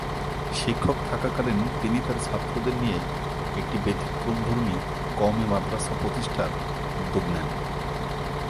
শিক্ষক থাকাকালীন তিনি তার ছাত্রদের নিয়ে একটি ব্যতিক্রমধর্মী কওমি মাদ্রাসা প্রতিষ্ঠার উদ্যোগ নেন।